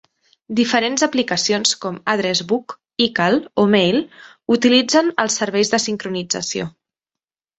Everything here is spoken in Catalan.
Diferents aplicacions com Address Book, iCal o Mail utilitzen els serveis de sincronització.